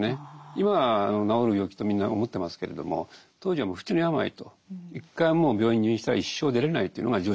今は治る病気とみんな思ってますけれども当時はもう不治の病と一回もう病院に入院したら一生出れないというのが常識だった時代ですから。